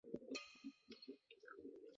和平鸟科是鸟纲雀形目中的一个科。